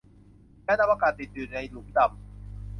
ยานอวกาศติดอยู่ในหลุมดำ